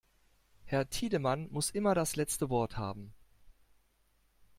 Herr Tiedemann muss immer das letzte Wort haben.